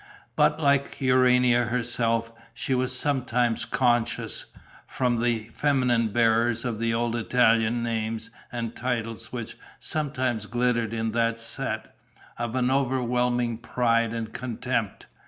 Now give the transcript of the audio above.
But, like Urania herself, she was sometimes conscious, from the feminine bearers of the old Italian names and titles which sometimes glittered in that set, of an overwhelming pride and contempt.